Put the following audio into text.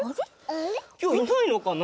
きょういないのかな？